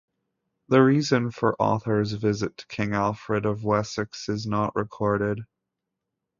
The reason for Ohthere's visit to King Alfred of Wessex is not recorded.